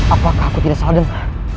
apakah aku tidak salah dengar